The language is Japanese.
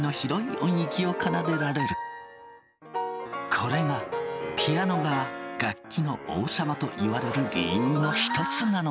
これがピアノが楽器の王様といわれる理由の一つなのだ。